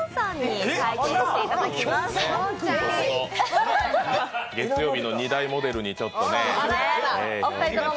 月曜日の２大モデルにちょっとね。